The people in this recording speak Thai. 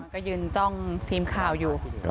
ก็ยืนจ้องทีมข่าวอยู่